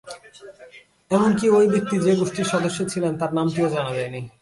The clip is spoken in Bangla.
এমনকি ওই ব্যক্তি যে গোষ্ঠীর সদস্য ছিলেন, তার নামটিও জানা যায়নি।